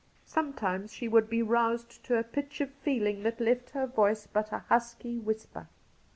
Sometimes she would be roused to a pitch of feeling that left her voice but a husky whisper.